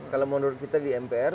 kalau menurut kita di mpr